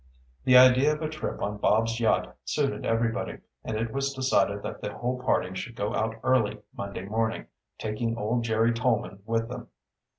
The idea of a trip on Bob's yacht suited everybody, and it was decided that the whole party should go out early Monday morning, taking old Jerry Tolman with them.